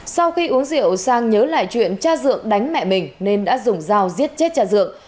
sau khi uống rượu sang nhớ lại chuyện cha dượng đánh mẹ mình nên đã dùng dao giết chết cha dượng